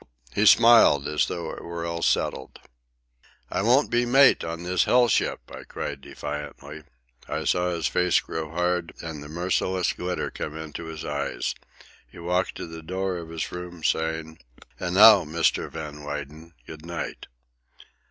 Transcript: He smiled as though it were all settled. "I won't be mate on this hell ship!" I cried defiantly. I saw his face grow hard and the merciless glitter come into his eyes. He walked to the door of his room, saying: "And now, Mr. Van Weyden, good night."